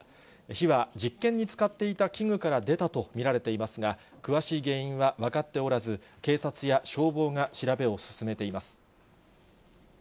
火は実験に使っていた器具から出たと見られていますが、詳しい原因は分かっておらず、警察や消防が調べを進めています。